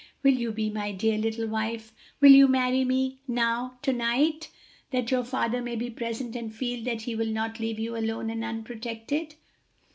Will you be my dear little wife? will you marry me now, to night, that your father may be present and feel that he will not leave you alone and unprotected?"